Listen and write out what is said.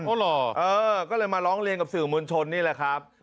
เหรอเออก็เลยมาร้องเรียนกับสื่อมวลชนนี่แหละครับ